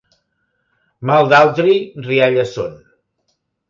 Mal d'altri, rialles són.